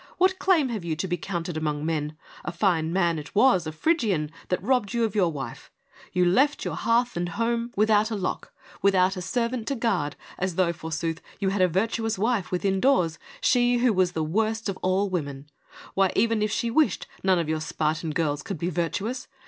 What claim have you to be counted among men ? A fine man it was, a Phrygian, that robbed you of your wife. You left your hearth and home n8 FEMINISM IN GREEK LITERATURE without a lock, without a servant to guard, as though, forsooth, you had a virtuous wife within doors, she who was the worst of all women. Why, even if she wished, none of your Spartan girls could be virtuous.